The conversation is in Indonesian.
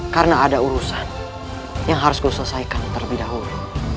karena ada urusan yang harus gue selesaikan terlebih dahulu